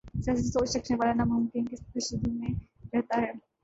سیاسی سوچ رکھنے والا ناممکن کی جستجو میں رہتا ہے۔